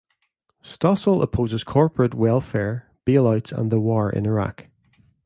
Stossel opposes corporate welfare, bailouts and the war in Iraq.